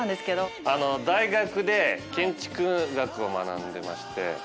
あの大学で建築学を学んでまして。